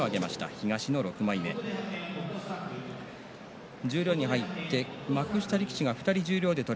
東の６枚目です。